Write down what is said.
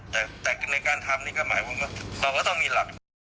แต่ในการทำนี่ก็หมายความว่าเราก็ต้องมีหลัก